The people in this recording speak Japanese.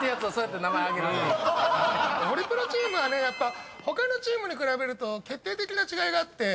ホリプロチームはねやっぱ他のチームに比べると決定的な違いがあって。